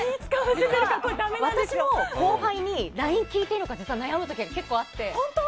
私も後輩にＬＩＮＥを聞いていいのか実は悩む時が結構あって。